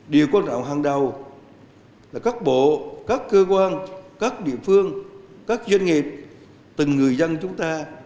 điều quan trọng hàng đầu là các bộ các cơ quan các địa phương các doanh nghiệp từng người dân chúng ta